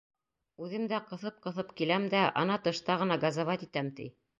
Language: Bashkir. Үҙем дә, ҡыҫып-ҡыҫып киләм дә, ана тышта ғына газовать итәм, ти.